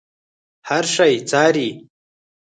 هر شی څاري.